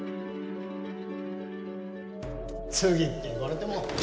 次って言われても。